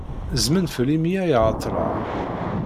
Zzmen fell-i imi ay ɛeḍḍleɣ.